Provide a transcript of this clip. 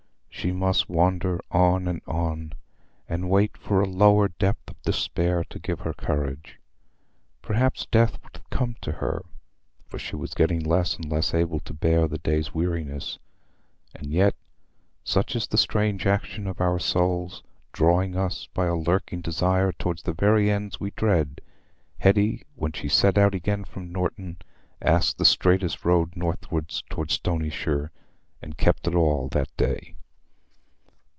She must wander on and on, and wait for a lower depth of despair to give her courage. Perhaps death would come to her, for she was getting less and less able to bear the day's weariness. And yet—such is the strange action of our souls, drawing us by a lurking desire towards the very ends we dread—Hetty, when she set out again from Norton, asked the straightest road northwards towards Stonyshire, and kept it all that day.